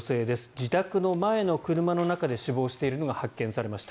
自宅の前の車の中で死亡しているのが発見されました。